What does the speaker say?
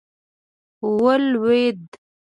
ولوېد.